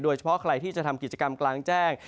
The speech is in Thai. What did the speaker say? โดยเฉพาะใครที่จะทำกิจกรรมกลางแจ้ง